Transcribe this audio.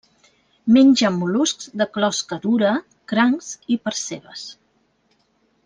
Menja mol·luscs de closca dura, crancs i percebes.